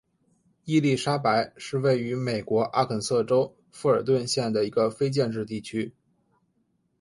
伊莉莎白是位于美国阿肯色州富尔顿县的一个非建制地区。